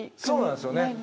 そうなんですよね。